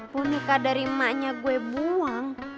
punika dari emaknya gue buang